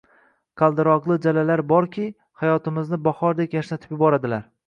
qaldiroqli “jala”lar borki, hayotimizni bahordek yashnatib yuboradilar!